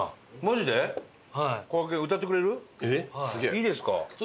いいですか？